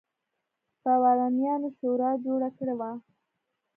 بارونیانو شورا جوړه کړې وه.